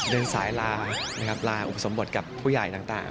เดินสายลานะครับลาอุปสมบทกับผู้ใหญ่ต่าง